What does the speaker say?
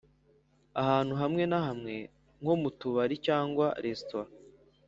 ahantu hamwe na hamwe nko mu tubari cyangwa resitora